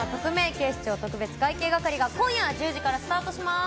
警視庁特別会計係」今夜１０時からスタートします。